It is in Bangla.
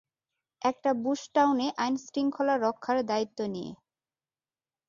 একটা বুশটাউনে আইনশৃঙ্খলা রক্ষার দায়িত্ব নিয়ে।